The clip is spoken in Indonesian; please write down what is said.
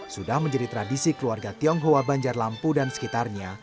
sudah menjadi tradisi keluarga tionghoa banjar lampu dan sekitarnya